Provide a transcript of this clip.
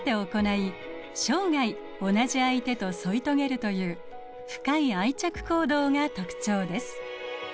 生涯同じ相手と添い遂げるという深い愛着行動が特徴です。